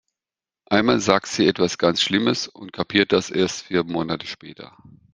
Einmal sagt sie etwas ganz schlimmes, und kapiert das erst vier Monate später.